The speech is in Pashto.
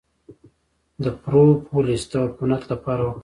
د پروپولیس د عفونت لپاره وکاروئ